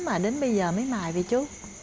mà đến bây giờ mới mài vậy chú